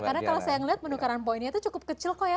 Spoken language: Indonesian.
karena kalau saya melihat penukaran poinnya cukup kecil kok ya